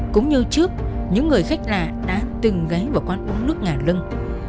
cũng như trước những người khách lạ đã từng gáy vào quán uống nước ngả lưng